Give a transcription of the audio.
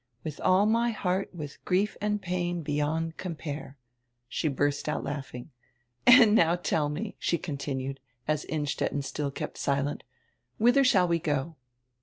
'With all my heart, with grief and pain, beyond compare.'" She burst out laughing. "And now tell me," she continued, as Innstetten still kept silent, "whither shall we go?"